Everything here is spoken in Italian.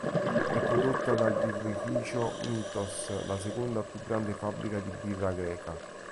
È prodotta dal birrificio Mythos, la seconda più grande fabbrica di birra greca.